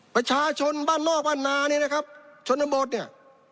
ประชาชนบ้านนอกบ้านนาเนี่ยนะครับชนบทเนี่ย